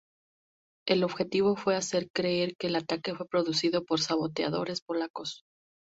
El objetivo fue hacer creer que el ataque fue producido por saboteadores polacos.